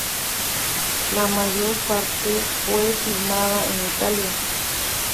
La mayor parte fue filmada en Italia.